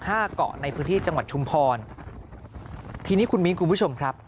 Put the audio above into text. เกาะในพื้นที่จังหวัดชุมพรทีนี้คุณมิ้นคุณผู้ชมครับ